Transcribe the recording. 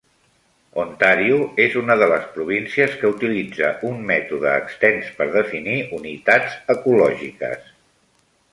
Ontario és una de les províncies que utilitza un mètode extens per definir unitats ecològiques.